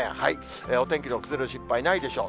お天気の崩れる心配ないでしょう。